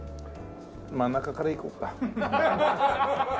真ん中からいこうか。